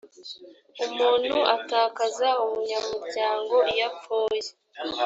umuntu atakaza ubunyamuryango iyo apfuye